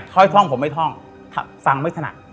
ค่อยท่องผมไม่ท่องฟังไม่ถนัด